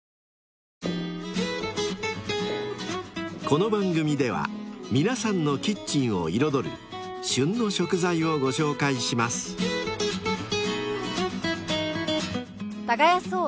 ［この番組では皆さんのキッチンを彩る「旬の食材」をご紹介します］